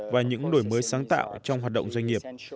và những đổi mới sáng tạo trong hoạt động doanh nghiệp